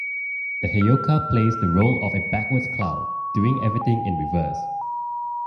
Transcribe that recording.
The Heyoka plays the role of a backwards clown, doing everything in reverse.